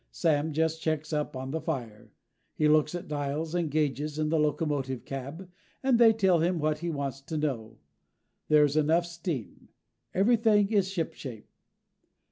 Sam just checks up on the fire. He looks at dials and gauges in the locomotive cab, and they tell him what he wants to know. There is enough steam. Everything is ship shape.